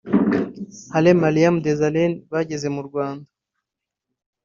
Hailemariam Desalegn bageze mu Rwanda